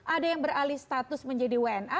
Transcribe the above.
ada yang beralih status menjadi wna